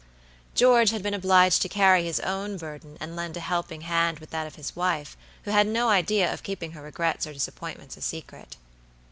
George had been obliged to carry his own burden and lend a helping hand with that of his wife, who had no idea of keeping her regrets or disappointments a secret.